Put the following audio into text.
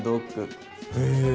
へえ。